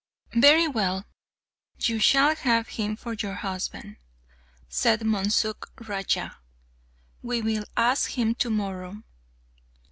"Very well, you shall have him for your husband," said Munsuk Raja. "We will ask him to morrow."